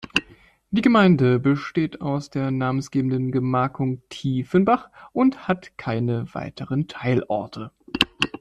Die Gemeinde besteht aus der namensgebenden Gemarkung Tiefenbach und hat keine weiteren Teilorte.